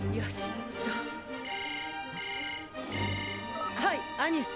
っ⁉はいアニエス。